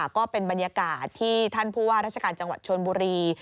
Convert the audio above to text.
ก็เป็นบรรยากาศที่ท่านผู้ว่าราชการจังหวัดชนบุรี